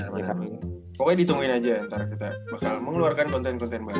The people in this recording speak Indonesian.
pokoknya ditungguin aja antara kita bakal mengeluarkan konten konten baru